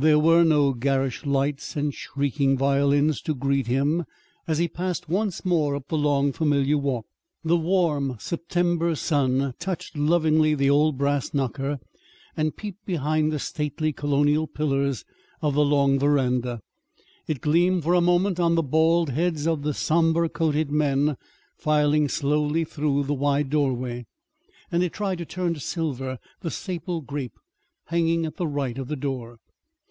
There were no garish lights and shrieking violins to greet him as he passed once more up the long, familiar walk. The warm September sun touched lovingly the old brass knocker, and peeped behind the stately colonial pillars of the long veranda. It gleamed for a moment on the bald heads of the somber coated men filing slowly through the wide doorway, and it tried to turn to silver the sable crape hanging at the right of the door.